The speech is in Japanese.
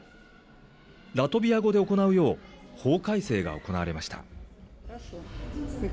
ラトビア語で行うよう法改正が行われました。